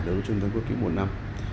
đối với trung tâm quốc kỷ một năm